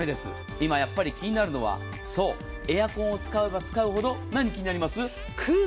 今、やっぱり気になるのはエアコンを使えば使うほど何が気になります？